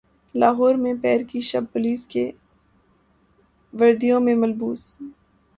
لاہور میں پیر کی شب پولیس کی وردیوں میں ملبوس